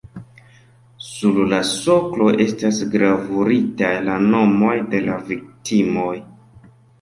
Sur la soklo estas gravuritaj la nomoj de la viktimoj.